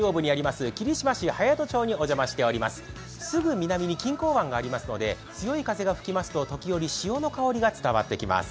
すぐ南に錦江湾がありますので時折、潮の香りが伝わってきます。